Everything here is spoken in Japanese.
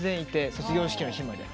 卒業式の日まで。